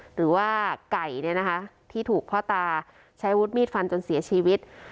หรือว่าไก่ที่ถูกพ่อตาใช้วุฒิมีดฟันจนเสียชีวิต